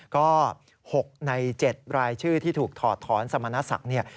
ก็๖ใน๗รายชื่อที่ถูกถอดถอนสมณศักดิ์เนี่ย